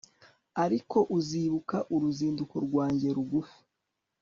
Ariko uzibuka uruzinduko rwanjye rugufi